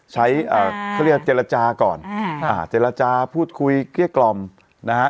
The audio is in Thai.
ใช้เขาเรียกว่าเจรจาก่อนเจรจาพูดคุยเกลี้ยกล่อมนะฮะ